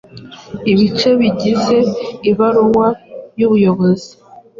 Ibice bigize ibaruwa y’ubuyobozi